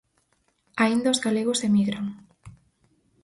Aínda os galegos emigran.